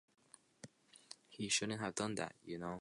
He shouldn't have done that, you know.